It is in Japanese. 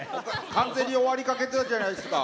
完全に終わりかけてたじゃないですか！